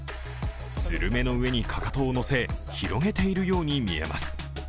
スルメの上にかかとを乗せ広げているように見えます。